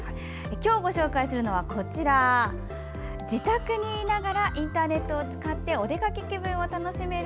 今日、ご紹介するのは自宅にいながらインターネットを使ってお出かけ気分を楽しめる